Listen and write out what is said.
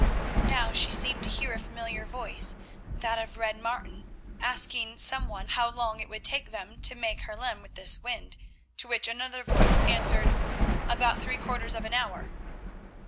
Now she seemed to hear a familiar voice, that of Red Martin, asking someone how long it would take them to make Haarlem with this wind, to which another voice answered, "About three quarters of an hour."